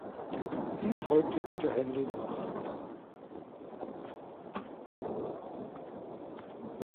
Ihm folgte Dieter Henle nach.